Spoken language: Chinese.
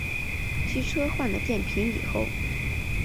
机车换了电瓶以后